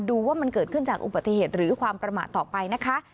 ดูว่ามันเกิดขึ้นจากอุบัติเหตุหรือความประมาทต่อไปนะคะ